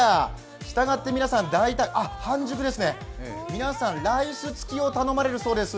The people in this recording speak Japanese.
したがって、あ、半熟ですね、皆さん、ライスつきを頼まれるそうです。